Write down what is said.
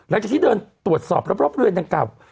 แล้วที่เดินตรวจสอบรับรอบเรือนกับ